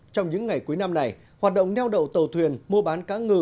trong những ngày cuối năm này hoạt động neo đậu tàu thuyền mua bán cá ngừ